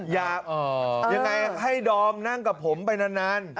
ยังไงให้ดอมนั่งกับผมไปนาน